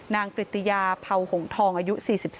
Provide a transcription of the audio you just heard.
กริตติยาเผาหงทองอายุ๔๒